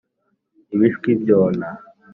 ibishwi byona